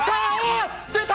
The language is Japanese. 出た！